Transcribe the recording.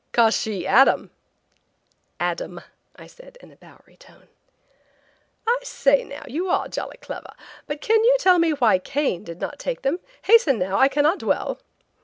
"'Cause she'd 'ad 'em" (Adam), I said in a Bowery tone. "I sai, now, you are jolly clever, but can you tell me why Cain did not take them? Hasten, now, I cannot dwell."